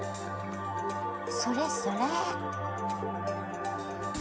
それそれ。